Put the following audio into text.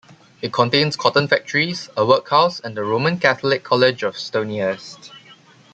It contains cotton factories, a workhouse, and the Roman Catholic college of Stonyhurst.